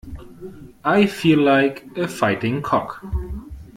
I feel like a fighting cock.